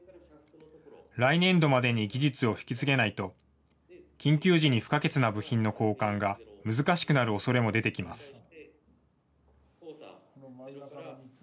来年度までに技術を引き継げないと、緊急時に不可欠な部品の交換が難しくなるおそれも出てきます。